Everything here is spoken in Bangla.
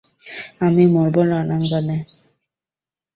আমি মরবো রণাঙ্গনে।